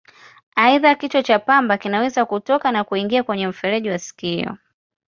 Aidha, kichwa cha pamba kinaweza kutoka na kuingia kwenye mfereji wa sikio.